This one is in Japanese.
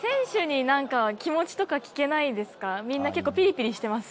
みんな結構ピリピリしてます？